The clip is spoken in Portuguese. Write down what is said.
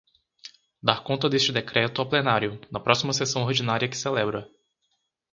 Dar conta deste decreto ao Plenário, na próxima sessão ordinária que celebra.